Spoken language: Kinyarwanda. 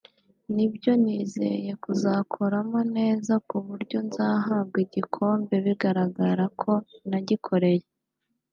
nibyo nizeye kuzakoramo neza ku buryo nzahabwa igikombe bigaragara ko nagikoreye